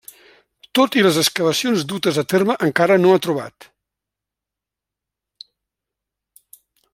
Tot i les excavacions dutes a terme encara no ha trobat.